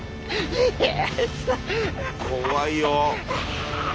怖いよ。